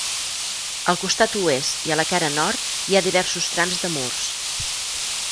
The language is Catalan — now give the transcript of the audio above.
Al costat oest i a la cara nord hi ha diversos trams de murs.